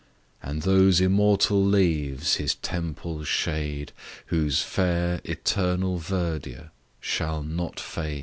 And those immortal leaves his temples shade, Whose fair, eternal verdure shall not fade!